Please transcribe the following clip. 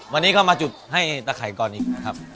วันนี้ก็มาจุดให้ตะไข่ก่อนอีกนะครับ